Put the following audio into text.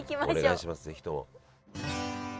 お願いします是非とも。